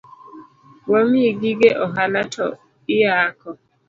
Wamiyi gige ohala to iyako?